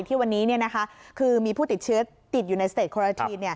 ที่วันนี้คือมีผู้ติดเชื้อติดอยู่ในสเตจโครทีน